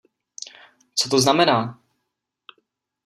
Co to znamená?